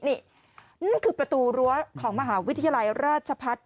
นี่นั่นคือประตูรั้วของมหาวิทยาลัยราชพัฒน์